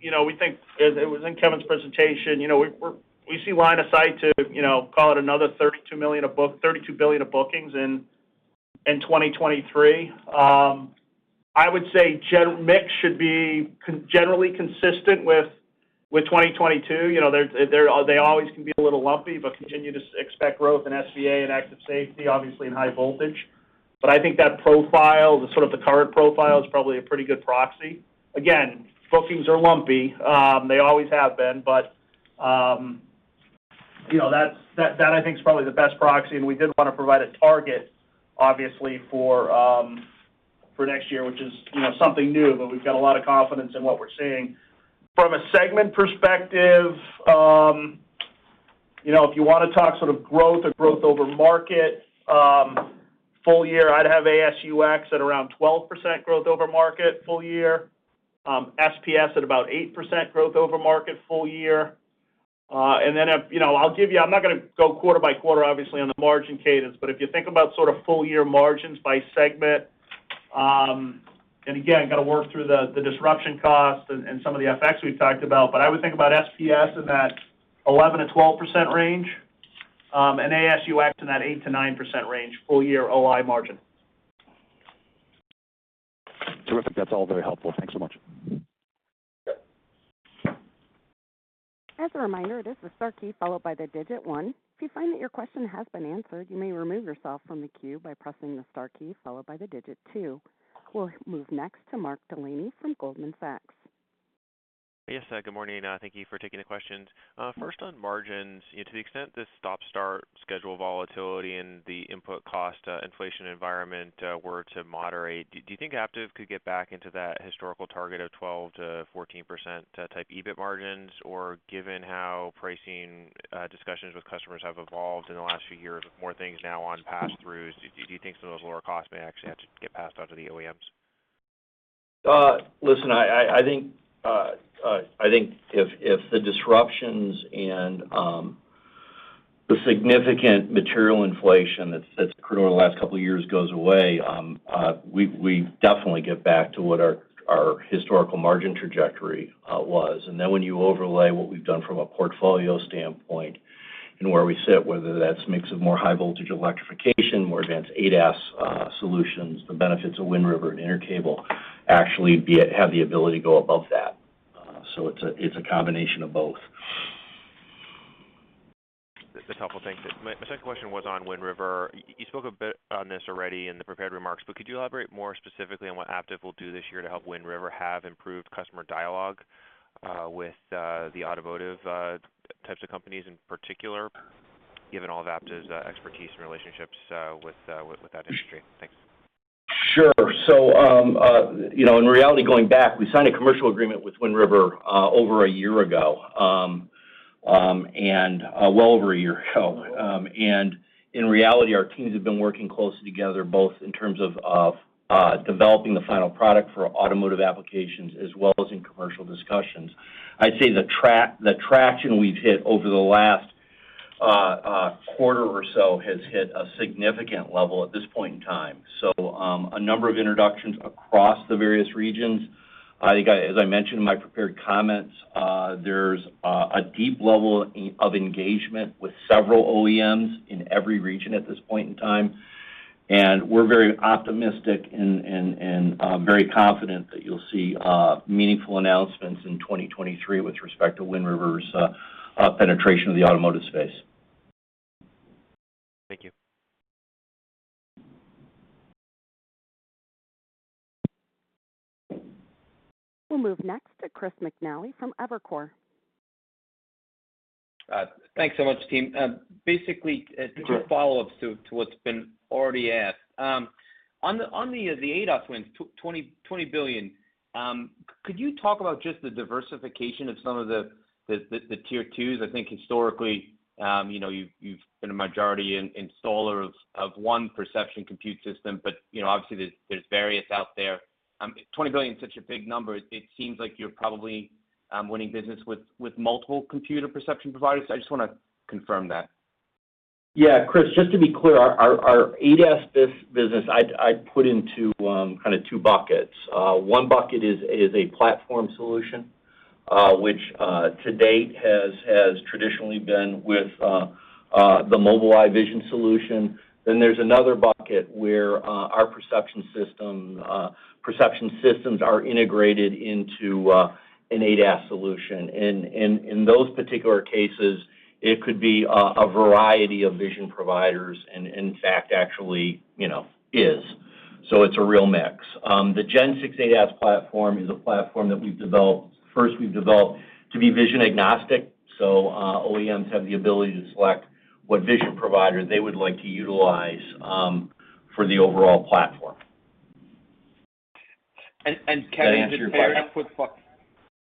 you know, we think it was in Kevin's presentation, you know, we see line of sight to, you know, call it another $32 billion of bookings in 2023. I would say mix should be generally consistent with 2022. You know, they're, they always can be a little lumpy, but continue to expect growth in SVA and Active Safety, obviously in high voltage. I think that profile, the sort of the current profile is probably a pretty good proxy. Again, bookings are lumpy. They always have been. You know, that's, that I think is probably the best proxy, and we did wanna provide a target obviously for next year, which is, you know, something new, but we've got a lot of confidence in what we're seeing. From a segment perspective, you know, if you wanna talk sort of growth or growth over market, full year, I'd have AS&UX at around 12% growth over market full year. SPS at about 8% growth over market full year. If, you know, I'm not gonna go quarter by quarter, obviously, on the margin cadence, but if you think about sort of full year margins by segment, and again, gotta work through the disruption cost and some of the FX we've talked about. I would think about SPS in that 11%-12% range, and AS&UX in that 8%-9% range full year OI margin. Terrific. That's all very helpful. Thanks so much. As a reminder, it is the star key followed by the digit one. If you find that your question has been answered, you may remove yourself from the queue by pressing the star key followed by the digit two. We'll move next to Mark Delaney from Goldman Sachs. Yes. Good morning. Thank you for taking the questions. First on margins, you know, to the extent this stop-start schedule volatility and the input cost, inflation environment, were to moderate, do you think Aptiv could get back into that historical target of 12%-14%, type EBIT margins? Or given how pricing, discussions with customers have evolved in the last few years with more things now on passthroughs, do you think some of those lower costs may actually have to get passed on to the OEMs? listen, I think, I think if the disruptions and the significant material inflation that's occurred over the last couple of years goes away, we definitely get back to what our historical margin trajectory was. When you overlay what we've done from a portfolio standpoint and where we sit, whether that's mix of more high voltage electrification, more advanced ADAS solutions, the benefits of Wind River and Intercable actually have the ability to go above that. It's a, it's a combination of both. That's helpful. Thank you. My second question was on Wind River. You spoke a bit on this already in the prepared remarks, but could you elaborate more specifically on what Aptiv will do this year to help Wind River have improved customer dialogue with the automotive types of companies in particular, given all of Aptiv's expertise and relationships with that industry? Thanks. Sure. You know, in reality, going back, we signed a commercial agreement with Wind River over a year ago, and well over a year ago. And in reality, our teams have been working closely together both in terms of developing the final product for automotive applications as well as in commercial discussions. I'd say the traction we've hit over the last quarter or so has hit a significant level at this point in time. A number of introductions across the various regions. I think as I mentioned in my prepared comments, there's a deep level of engagement with several OEMs in every region at this point in time. We're very optimistic and very confident that you'll see meaningful announcements in 2023 with respect to Wind River's penetration of the automotive space. Thank you. We'll move next to Chris McNally from Evercore. Thanks so much, team. Basically, two follow-ups to what's been already asked. On the ADAS wins, $20 billion, could you talk about just the diversification of some of the tier twos? I think historically, you know, you've been a majority in-installer of one perception compute system, but, you know, obviously there's various out there. $20 billion is such a big number, it seems like you're probably winning business with multiple computer perception providers. I just wanna confirm that. Yeah. Chris, just to be clear, our ADAS bus-business, I'd put into kinda two buckets. One bucket is a platform solution, which to date has traditionally been with the Mobileye vision solution. There's another bucket where our perception systems are integrated into an ADAS solution. In those particular cases, it could be a variety of vision providers and in fact, actually, you know, is. It's a real mix. The Gen 6 ADAS platform is a platform that we've developed. First, we've developed to be vision agnostic, so OEMs have the ability to select what vision provider they would like to utilize, for the overall platform. Kevin, is it fair to put the buck... That is true, Chris.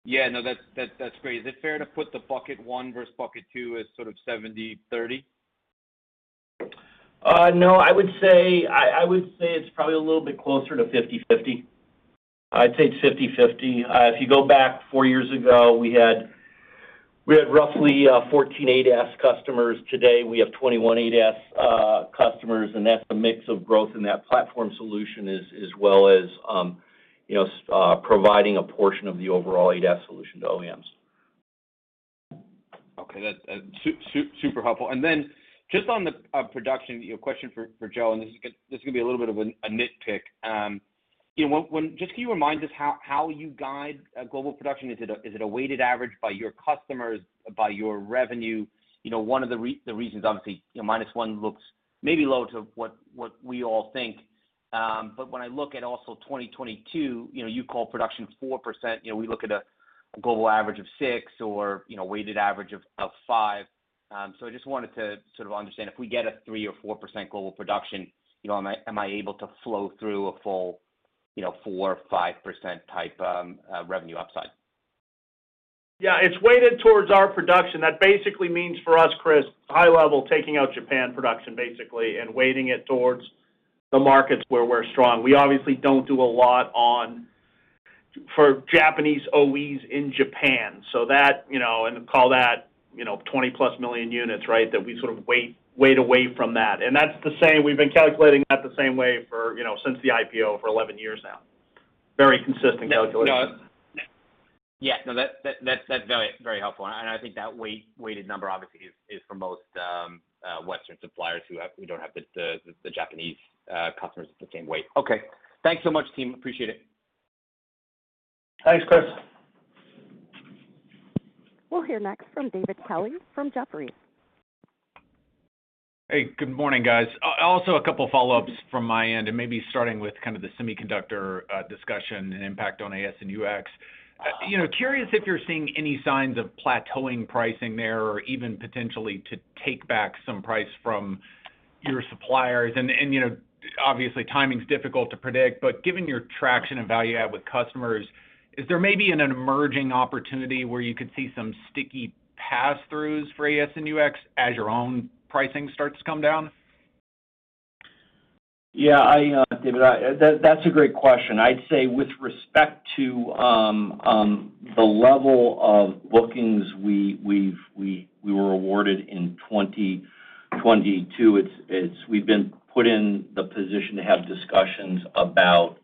Yeah, no. That's great. Is it fair to put the bucket one versus bucket two as sort of 70/30? No, I would say it's probably a little bit closer to 50/50. I'd say it's 50/50. If you go back four years ago, we had roughly 14 ADAS customers. Today, we have 21 ADAS customers, and that's a mix of growth in that platform solution as well as, you know, providing a portion of the overall ADAS solution to OEMs. Okay. That super helpful. Just on the production, you know, question for Joe, this is gonna be a little bit of an, a nitpick. You know, when just can you remind us how you guide global production? Is it a weighted average by your customers, by your revenue? You know, one of the reasons, obviously, you know, -1% looks maybe low to what we all think. When I look at also 2022, you know, you call production 4%, you know, we look at a global average of 6% or, you know, weighted average of 5%. I just wanted to sort of understand if we get a 3% or 4% global production, you know, am I able to flow through a full, you know, 4% or 5% type revenue upside? Yeah. It's weighted towards our production. That basically means for us, Chris, high level, taking out Japan production basically and weighting it towards the markets where we're strong. We obviously don't do a lot on, for Japanese OEs in Japan. That, you know, and call that, you know, 20+ million units, right? That we sort of weight away from that. That's the same. We've been calculating that the same way for, you know, since the IPO for 11 years now. Very consistent calculation. No, no. Yeah. No. That's very helpful. I think that weighted number obviously is for most Western suppliers who don't have the Japanese customers the same weight. Okay. Thanks so much, team. Appreciate it. Thanks, Chris. We'll hear next from David Kelley from Jefferies. Hey, good morning, guys. Also a couple follow-ups from my end, and maybe starting with kind of the semiconductor discussion and impact on AS&UX. You know, curious if you're seeing any signs of plateauing pricing there or even potentially to take back some price from your suppliers? You know, obviously, timing's difficult to predict, but given your traction and value add with customers, is there maybe an emerging opportunity where you could see some sticky passthroughs for AS&UX as your own pricing starts to come down? Yeah. I, David, that's a great question. I'd say with respect to the level of bookings we were awarded in 2022, we've been put in the position to have discussions about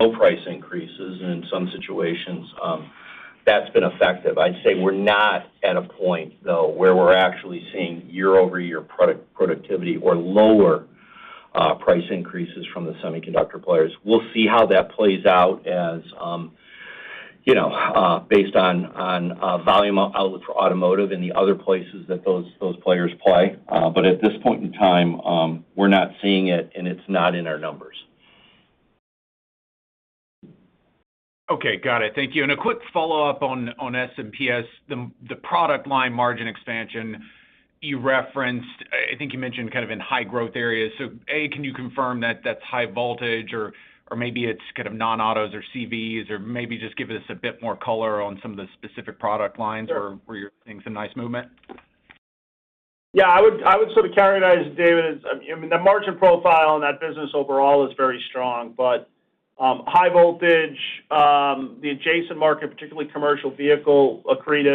no price increases in some situations. That's been effective. I'd say we're not at a point though where we're actually seeing year-over-year product productivity or lower price increases from the semiconductor players. We'll see how that plays out as you know, based on volume outlook for automotive and the other places that those players play. At this point in time, we're not seeing it and it's not in our numbers. Okay. Got it. Thank you. A quick follow-up on S&PS, the product line margin expansion you referenced. I think you mentioned kind of in high growth areas. A, can you confirm that that's high voltage or maybe it's kind of non-autos or CVs, or maybe just give us a bit more color on some of the specific product lines? Sure. where you're seeing some nice movement. Yeah. I would sort of characterize, David, as, I mean, the margin profile on that business overall is very strong. High voltage, the adjacent market, particularly commercial vehicle accretive.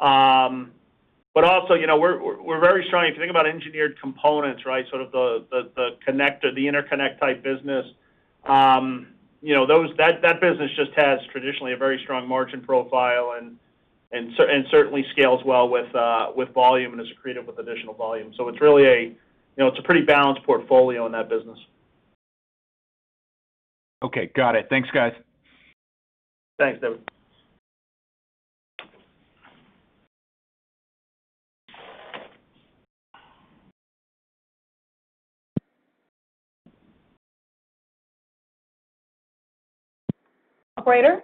You know, we're very strong if you think about engineered components, right? Sort of the connector, the interconnect type business. You know, that business just has traditionally a very strong margin profile and certainly scales well with volume and is accretive with additional volume. It's really a, you know, it's a pretty balanced portfolio in that business. Okay. Got it. Thanks, guys. Thanks, David. Operator?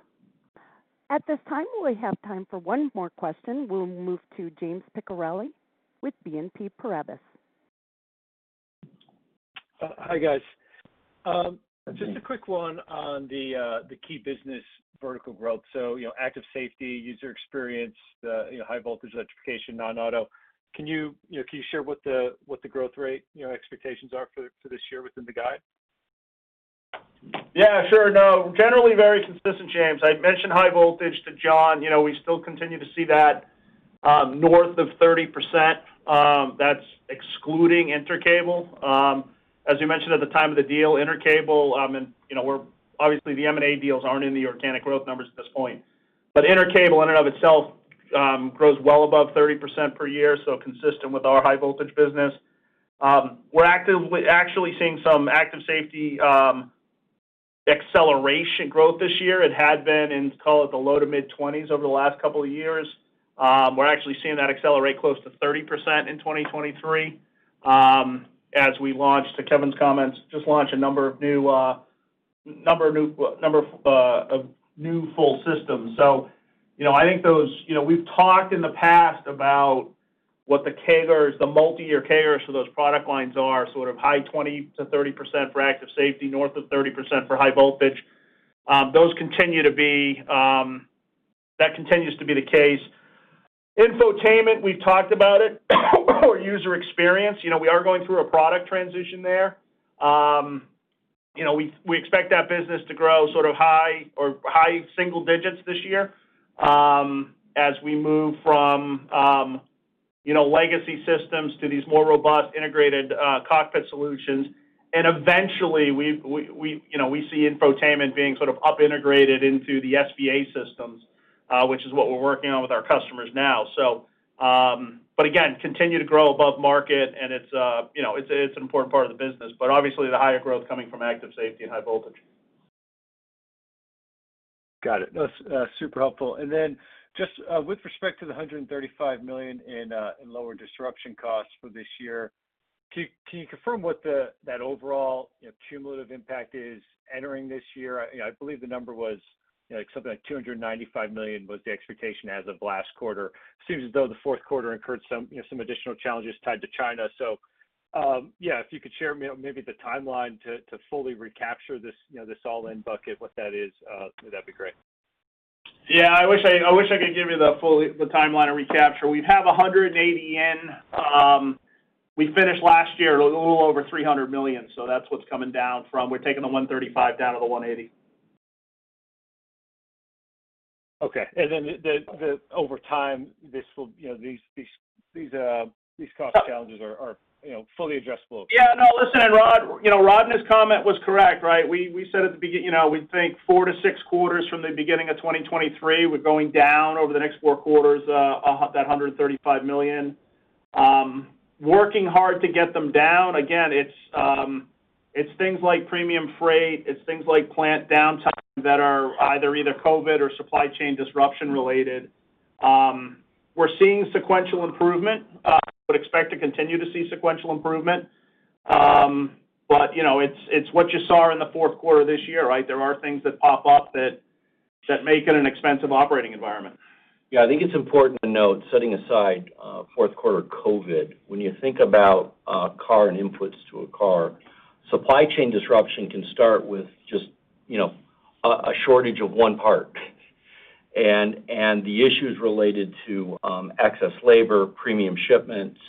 At this time, we have time for one more question. We'll move to James Picariello with BNP Paribas. Hi, guys. Just a quick one on the key business vertical growth. You know, active safety, user experience, you know, high voltage electrification, non-auto. Can you know, can you share what the growth rate, you know, expectations are for this year within the guide? Sure. Generally very consistent, James. I mentioned high voltage to John. You know, we still continue to see that north of 30%, that's excluding Intercable. As you mentioned at the time of the deal, Intercable, and, you know, obviously the M&A deals aren't in the organic growth numbers at this point. Intercable in and of itself grows well above 30% per year, so consistent with our high voltage business. We're actually seeing some active safety acceleration growth this year. It had been in, call it, the low to mid-20s over the last couple of years. We're actually seeing that accelerate close to 30% in 2023, as we launched, to Kevin's comments, just launched a number of new full systems. You know, I think those, you know, we've talked in the past about what the CAGRs, the multi-year CAGRs for those product lines are sort of high 20%-30% for active safety, north of 30% for high voltage. Those continue to be, that continues to be the case. Infotainment, we've talked about it, our user experience. You know, we are going through a product transition there. You know, we expect that business to grow sort of high or high single digits this year, as we move from, you know, legacy systems to these more robust integrated cockpit solutions. Eventually, we, you know, we see infotainment being sort of up integrated into the SVA systems, which is what we're working on with our customers now. Again, continue to grow above market, and it's, you know, it's an important part of the business. Obviously, the higher growth coming from active safety and high voltage. Got it. No, it's super helpful. Then just with respect to the $135 million in lower disruption costs for this year, can you confirm what the that overall, you know, cumulative impact is entering this year? I believe the number was, you know, something like $295 million was the expectation as of last quarter. Seems as though the fourth quarter incurred some, you know, some additional challenges tied to China. Yeah, if you could share maybe the timeline to fully recapture this, you know, this all-in bucket, what that is, that'd be great. Yeah. I wish I could give you the full timeline of recapture. We have $180 in. We finished last year a little over $300 million. That's what's coming down from. We're taking the $135 down to the $180. Okay. Then over time, this will, you know, these cost challenges are, you know, fully adjustable. Yeah. No, listen, and Rod Lache, you know, Rod Lache and his comment was correct, right? We said at the beginning, you know, we think 4-6 quarters from the beginning of 2023, we're going down over the next four quarters, that $135 million. Working hard to get them down, again, it's things like premium freight, it's things like plant downtime that are either COVID or supply chain disruption related. We're seeing sequential improvement. Would expect to continue to see sequential improvement. You know, it's what you saw in the fourth quarter this year, right? There are things that pop up that make it an expensive operating environment. I think it's important to note, setting aside, fourth quarter COVID, when you think about a car and inputs to a car, supply chain disruption can start with just, you know, a shortage of one part. The issues related to excess labor, premium shipments,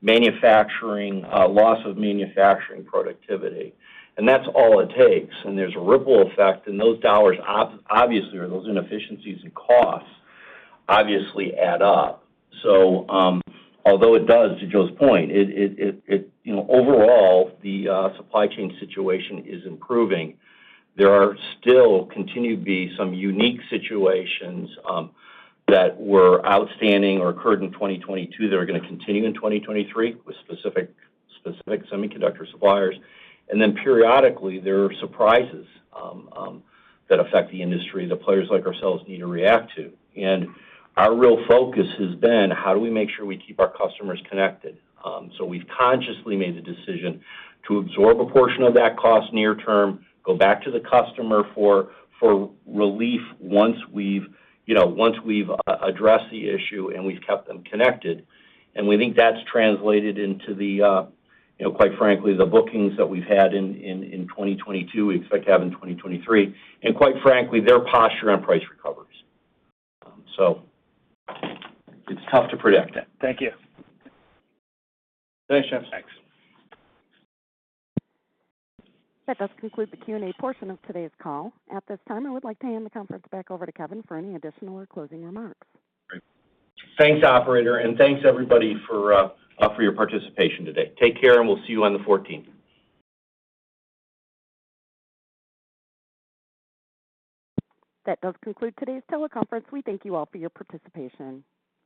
manufacturing, loss of manufacturing productivity, and that's all it takes. There's a ripple effect, and those dollars obviously, or those inefficiencies and costs obviously add up. Although it does, to Joe's point, it, you know, overall, the supply chain situation is improving. There are still continue to be some unique situations that were outstanding or occurred in 2022 that are gonna continue in 2023 with specific semiconductor suppliers. Periodically, there are surprises that affect the industry that players like ourselves need to react to. Our real focus has been how do we make sure we keep our customers connected? We've consciously made the decision to absorb a portion of that cost near term, go back to the customer for relief once we've, you know, once we've addressed the issue, and we've kept them connected. We think that's translated into the, you know, quite frankly, the bookings that we've had in 2022, we expect to have in 2023. Quite frankly, their posture on price recovers. It's tough to predict that. Thank you. Thanks, Jeff. Thanks. That does conclude the Q&A portion of today's call. At this time, I would like to hand the conference back over to Kevin for any additional or closing remarks. Great. Thanks, operator. Thanks everybody for your participation today. Take care, and we'll see you on the 14th. That does conclude today's teleconference. We thank you all for your participation.